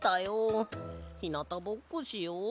ひなたぼっこしよう。